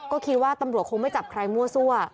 ก็คิดว่าตำรวจคงไม่จับใครมั่วซั่ว